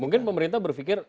mungkin pemerintah berpikir